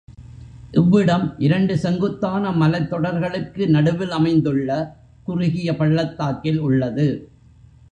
இவ்விடம் இரண்டு செங்குத்தான மலைத்தொடர்களுக்கு நடுவில் அமைந்துள்ள குறுகிய பள்ளத்தாக்கில் உள்ளது.